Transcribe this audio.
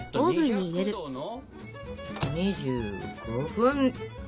２５分！